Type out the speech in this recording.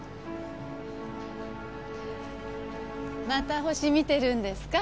また星見てるんですか？